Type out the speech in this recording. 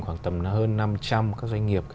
khoảng tầm là hơn năm trăm linh các doanh nghiệp